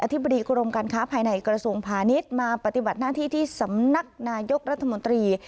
ธิบดีกรมการค้าภายในกระทรวงพาณิชย์มาปฏิบัติหน้าที่ที่สำนักนายกรัฐมนตรี